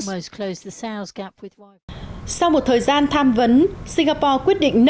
sau một thời gian tham vấn